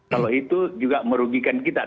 kalau itu juga merugikan kita